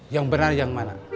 yang benar yang mana